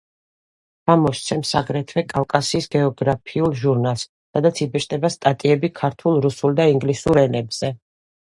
გამოსცემს აგრეთვე „კავკასიის გეოგრაფიულ ჟურნალს“, სადაც იბეჭდება სტატიები ქართულ, რუსულ და ინგლისურ ენებზე.